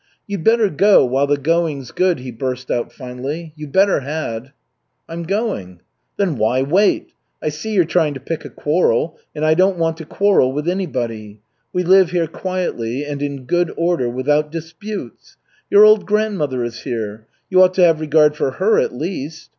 "You'd better go, while the going's good," he burst out, finally. "You better had." "I'm going." "Then why wait? I see you're trying to pick a quarrel, and I don't want to quarrel with anybody. We live here quietly and in good order, without disputes. Your old grandmother is here. You ought to have regard for her at least.